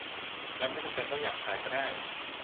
และไม่จำเป็นต้องหยาบคายก็ได้